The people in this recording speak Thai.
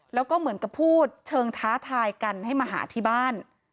แล้วก็เหมือนกับพูดเชิงท้าทายกันให้มาหาที่บ้าน